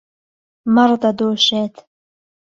مەڕ دەدۆشێت.